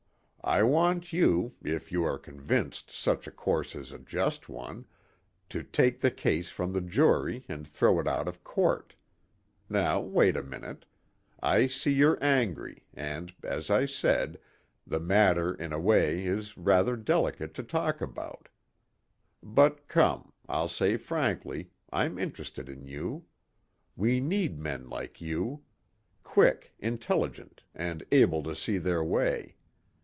I want you, if you are convinced such a course is a just one, to take the case from the jury and throw it out of court. Now, wait a minute. I see you're angry and, as I said, the matter in a way is rather delicate to talk about. But come, I'll say frankly, I'm interested in you. We need men like you. Quick, intelligent and able to see their way.